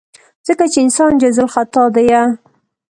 ځکه چې انسان جايزالخطا ديه.